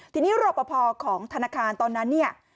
ทีนี้รอปภของธนาคารตอนนั้นเนี่ย